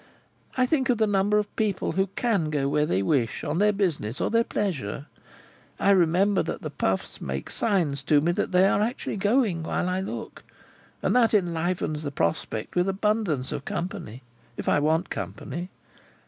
"I think of the number of people who can go where they wish, on their business, or their pleasure; I remember that the puffs make signs to me that they are actually going while I look; and that enlivens the prospect with abundance of company, if I want company.